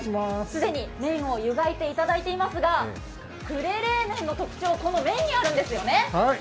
既に麺をゆがいていただいていますが呉冷麺の特徴はこの麺にあるんですよね？